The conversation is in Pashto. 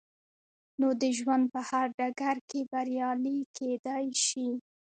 نو د ژوند په هر ډګر کې بريالي کېدای شئ.